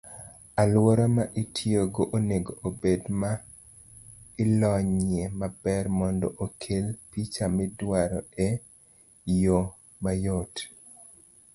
Aluora ma itiyogo onego obed ma ilonyie maber mondo okel picha midwaro eyoo mayot.